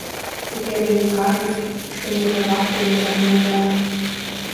Цяпер яны кажуць, што мэта вахты дасягнутая.